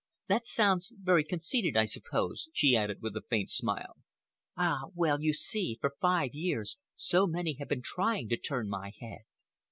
That sounds very conceited, I suppose," she added, with a faint smile. "Ah! well, you see, for five years so many have been trying to turn my head.